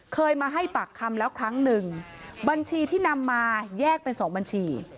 เคยมาให้ปากคำแล้วครั้งหนึ่งบัญชีที่นำมาแยกเป็นสองบัญชี